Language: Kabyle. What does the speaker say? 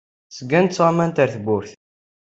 Zgant ttɣamant ar tewwurt.